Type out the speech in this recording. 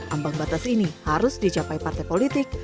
ambang batas ini harus dicapai partai politik